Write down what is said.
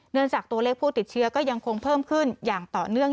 จากตัวเลขผู้ติดเชื้อก็ยังคงเพิ่มขึ้นอย่างต่อเนื่อง